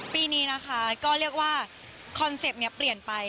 ปีนี้นะคะก็เรียกว่าคอนเซ็ปต์นี้เปลี่ยนไป